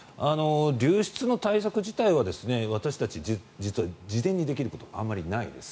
流出の対策自体は私たちは事前にできることがあまりないんです。